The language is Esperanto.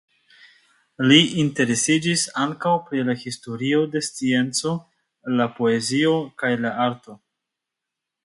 Li interesiĝis ankaŭ pri la historio de scienco, la poezio kaj la arto.